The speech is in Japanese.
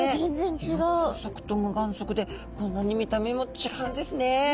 有眼側と無眼側でこんなに見た目も違うんですね。